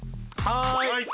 はい！